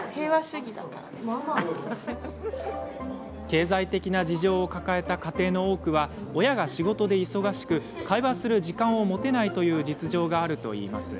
経済的な事情を抱えた家庭の多くは、親が仕事で忙しく会話する時間を持てないという実情があるといいます。